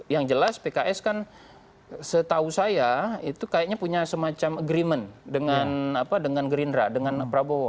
yang jelas pks kan setahu saya itu kayaknya punya semacam agreement dengan gerindra dengan prabowo